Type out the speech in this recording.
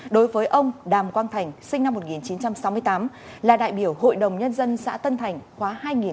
đối với ông đàm quang thành sinh năm một nghìn chín trăm sáu mươi tám là đại biểu hội đồng nhân dân xã tân thành khóa hai nghìn một mươi hai nghìn một mươi sáu